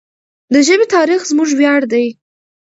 د ژبې تاریخ زموږ ویاړ دی.